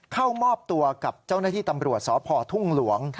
เข้ามอบตัวกับเจ้าหน้าที่ตำรวจสพทุ่งหลวง